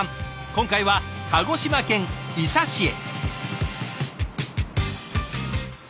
今回は鹿児島県伊佐市へ。